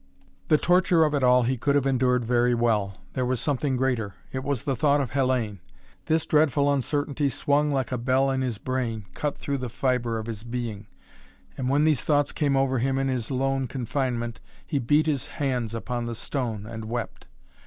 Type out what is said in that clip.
The torture of it all he could have endured very well. There was something greater. It was the thought of Hellayne. This dreadful uncertainty swung like a bell in his brain, cut through the fibre of his being. And when these thoughts came over him in his lone confinement he beat his hands upon the stone and wept.